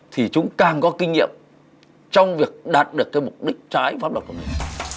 thì chúng càng có kinh nghiệm trong việc đạt được cái mục đích trái báo lộc của mình